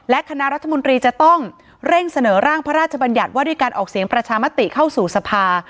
และคณะรัฐมนตรีจะต้องเร่งเสนอร่างพระราชบัญญัติว่าด้วยการออกเสียงประชามติเข้าสู่สภา